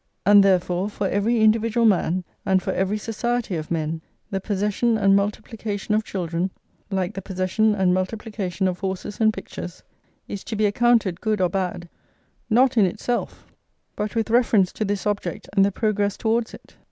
And therefore, for every individual man, and for every society of men, the possession and multiplication of children, like the possession and multiplication of horses and pictures, is to be accounted good or bad, not in itself, but with reference to this object and the progress towards it.